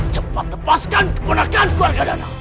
cepat lepaskan keponakan keluarga danau